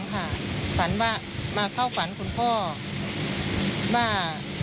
มีใจว่าเข้าฝันว่า